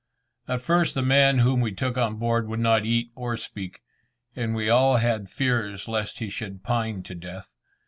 At first the man whom we took on board would not eat or speak, and we all had fears lest he should pine to death.